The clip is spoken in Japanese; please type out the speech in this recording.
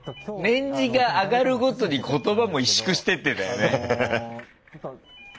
年次が上がるごとに言葉も萎縮してってんだよね。